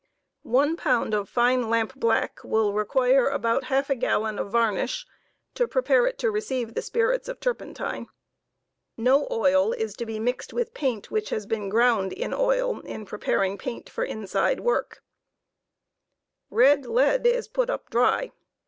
One pound of fine lampblack will require about half a gallon of varnish to prepare it to receive the spirits of turpentine. jSo oil is to be mixed with paint which has been ground in oil in preparing paint for inside work, Eed lead is put up dry.